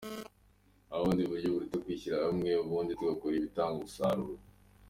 Nta bundi buryo buruta kwishyira hamwe ubundi tugakora ibitanga umusaruro.